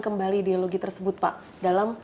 kembali ideologi tersebut pak dalam